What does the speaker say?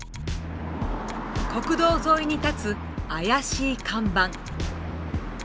国道沿いに立つ怪しい看板。